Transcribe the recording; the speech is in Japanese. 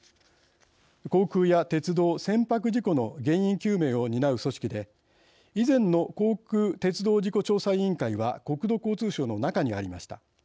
航空や鉄道、船舶事故の原因究明を担う組織で、以前の航空・鉄道事故調査委員会は国土交通省の中にありました。